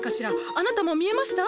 あなたも見えました？